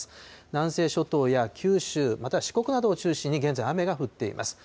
南西諸島や九州、また四国などを中心に現在、雨が降っています。